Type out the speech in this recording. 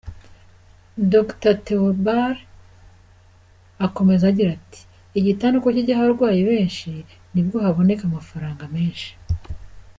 Dr Theobald akomeza agira ati "Igitanda uko kijyaho abarwayi benshi, nibwo haboneka amafaranga menshi.